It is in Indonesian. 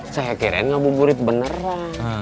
saya kirain ngabu burit beneran